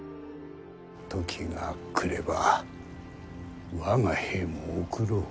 時が来れば我が兵も送ろう。